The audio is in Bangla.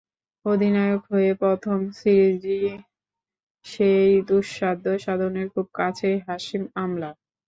অধিনায়ক হয়ে প্রথম সিরিজই সেই দুঃসাধ্য সাধনের খুব কাছে হাশিম আমলা।